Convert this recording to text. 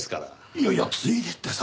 いやいやついでってさ。